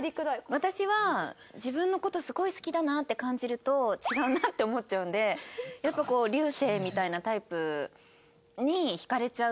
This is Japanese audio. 私は自分の事すごい好きだなって感じると違うなって思っちゃうんでやっぱこう流星みたいなタイプに惹かれちゃう。